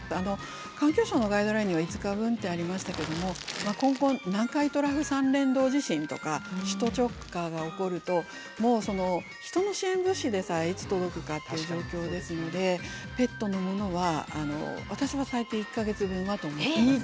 環境省のガイドラインには５日分ってありましたけども今後南海トラフ３連動地震とか首都直下が起こるともう人の支援物資でさえいつ届くかっていう状況ですのでペットのものは私は最低１か月分はと思っています。